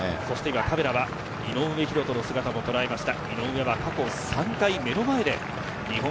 カメラには井上大仁の姿も捉えました。